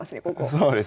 そうですね。